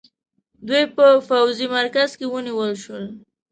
دوی په پوځي مرکز کې ونیول شول.